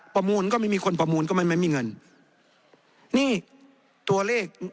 มูลก็ไม่มีคนประมูลก็ไม่ไม่มีเงินนี่ตัวเลข